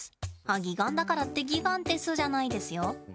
あっ擬岩だからってギガンテスじゃないですよ。